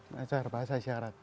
belajar bahasa isyarat